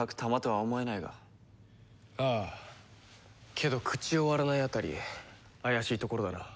けど口を割らないあたり怪しいところだな。